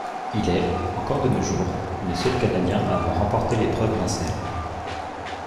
Il est, encore de nos jours, le seul Canadien à avoir remporté l'épreuve mancelle.